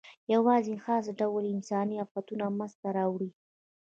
یواځې یو خاص ډول یې انساني آفتونه منځ ته راوړي.